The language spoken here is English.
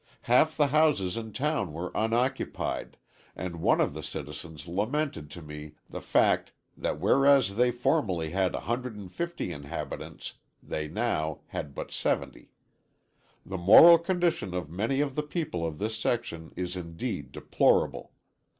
Half the houses in town were unoccupied, and one of the citizens lamented to me the fact that whereas they formerly had 150 inhabitants they now had but seventy. The moral condition of many of the people of this section is indeed deplorable.